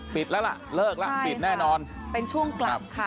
ปิดแล้วล่ะเลิกแล้วปิดแน่นอนเป็นช่วงกลับค่ะ